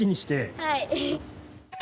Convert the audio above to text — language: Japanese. はい。